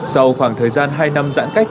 sau khoảng thời gian hai năm giãn cách